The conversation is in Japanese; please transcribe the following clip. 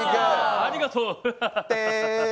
ありがとう。